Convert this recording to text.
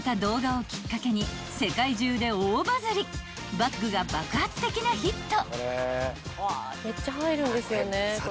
［バッグが爆発的なヒット！］